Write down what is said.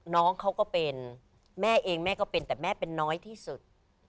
น้องเขาก็เป็นแม่เองแม่ก็เป็นแต่แม่เป็นน้อยที่สุด